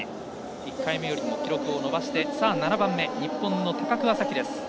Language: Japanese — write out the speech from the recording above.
１回目よりも記録を伸ばして７番目、日本の高桑早生。